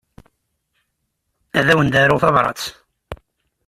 Ad awen-d-aruɣ tabṛat.